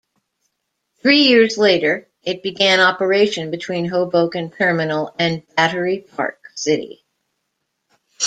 Three years later, it began operation between Hoboken Terminal and Battery Park City.